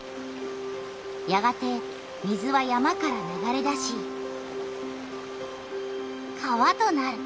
やがて水は山から流れ出し川となる。